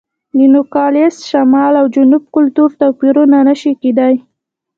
د نوګالس شمال او جنوب کلتور توپیرونه نه شي کېدای.